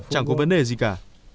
chẳng có vấn đề gì cả